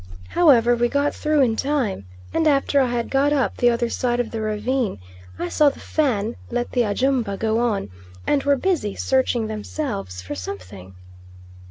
However we got through in time, and after I had got up the other side of the ravine I saw the Fan let the Ajumba go on, and were busy searching themselves for something.